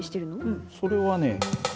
うんそれはね